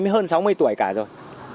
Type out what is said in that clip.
hơn sáu mươi tuổi cả rồi